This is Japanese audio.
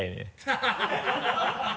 ハハハ